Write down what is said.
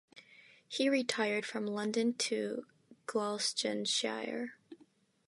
He retired from London to Gloucestershire.